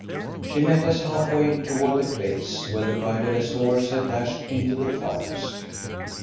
She met us half way toward the place where the riderless horse had dashed into the forest.